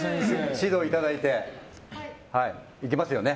指導いただいていけますよね。